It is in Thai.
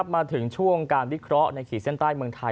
มาถึงช่วงการวิเคราะห์ในขีดเส้นใต้เมืองไทย